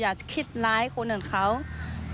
ยึดมั่นในหลักธรรมที่พระครูบาบุญชุมท่านได้สอนเอาไว้ค่ะ